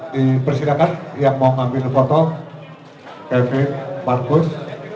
dipersilakan yang mau ngambil foto kevin marcus